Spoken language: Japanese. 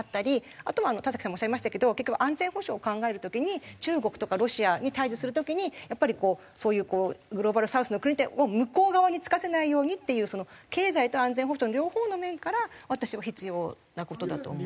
あとは田さんもおっしゃいましたけど結局安全保障を考える時に中国とかロシアに対峙する時にやっぱりこうそういうグローバルサウスの国を向こう側につかせないようにっていう経済と安全保障の両方の面から私は必要な事だと思います。